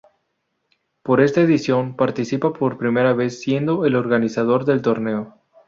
Para esta edición, participa por primera vez siendo el organizador del torneo.